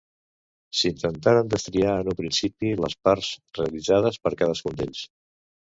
S'intentaren destriar en un principi les parts realitzades per cadascun d'ells.